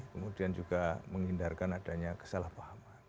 kemudian juga menghindarkan adanya kesalahpahaman